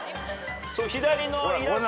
左のイラストに。